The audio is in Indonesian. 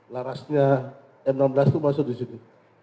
larasnya m enam belas itu masuk disini